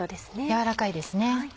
軟らかいですね。